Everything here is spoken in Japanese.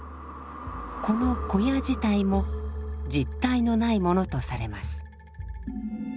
この小屋自体も実体のないものとされます。